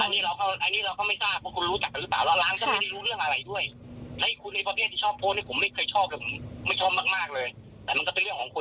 แต่มันก็เป็นเรื่องของคุณ